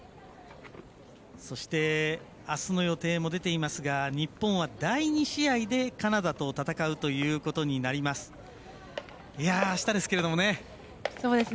そしてあすの予定も出ていますが日本は第２試合でカナダと戦うということになります。